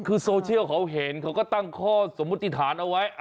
คือโซเชียลเขาเห็นเขาก็ตั้งข้อสมมุติฐานเอาไว้